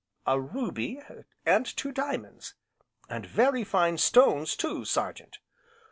"A ruby, and two diamonds, and very fine stones, too, Sergeant!"